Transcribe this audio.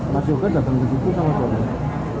masih oke datang ke situ sama sama